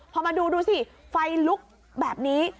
พอมาดูดูสิไฟลุกแบบนี้